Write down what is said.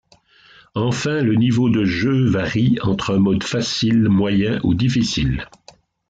Enfin, le niveau de jeu varie entre un mode facile, moyen ou difficile.